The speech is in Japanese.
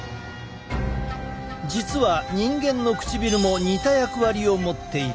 実は人間の唇も似た役割を持っている。